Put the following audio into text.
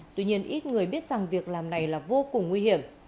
tuy nhiên ít người biết rằng việc làm này là vô cùng nguy hiểm